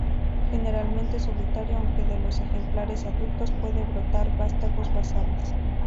Generalmente solitario, aunque de los ejemplares adultos pueden brotar vástagos basales.